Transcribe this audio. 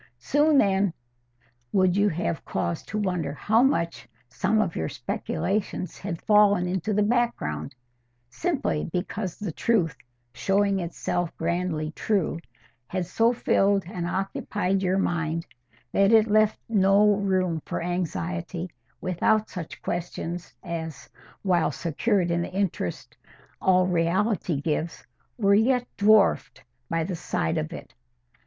Soon then would you have cause to wonder how much some of your speculations had fallen into the background, simply because the truth, showing itself grandly true, had so filled and occupied your mind that it left no room for anxiety about such questions as, while secured in the interest all reality gives, were yet dwarfed by the side of it.